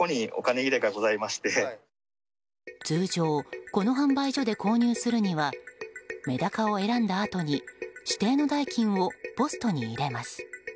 通常この販売所で購入するにはメダカを選んだあとに指定の代金をポストに入れます。